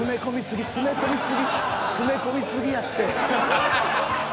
詰め込み過ぎやって。